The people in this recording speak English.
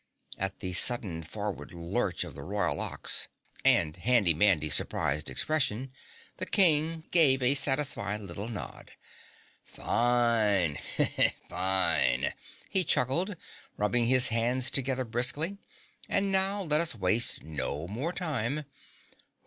At the sudden forward lurch of the Royal Ox and Handy Mandy's surprised expression, the King gave a satisfied little nod. "Fine!" he chuckled, rubbing his hands together briskly. "And now, let us waste no more time.